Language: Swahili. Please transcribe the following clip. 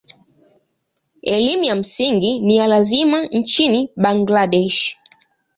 Elimu ya msingi ni ya lazima nchini Bangladesh.